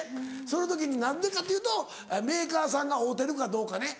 その時に何でかっていうとメーカーさんが合うてるかどうかね。